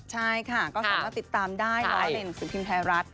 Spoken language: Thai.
ใช่ค่ะก็คำว่าติดตามได้แล้วในหนังสือภิมศ์ไทยรัฐ